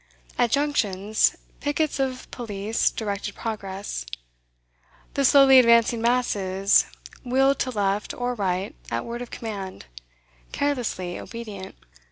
At junctions, pickets of police directed progress; the slowly advancing masses wheeled to left or right at word of command, carelessly obedient.